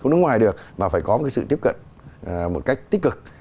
không đứng ngoài được mà phải có một cái sự tiếp cận một cách tích cực